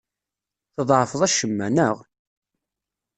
Tḍeεfeḍ acemma, neɣ?